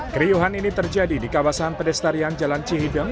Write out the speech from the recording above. keriuhan ini terjadi di kawasan pedestarian jalan cihideng